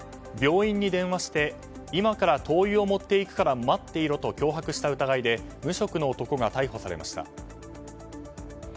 病院に電話して今から灯油を持っていくから待っていろと脅迫した疑いで無職の男が逮捕されました。